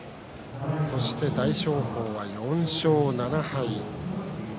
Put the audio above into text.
そして、大翔鵬は４勝７敗。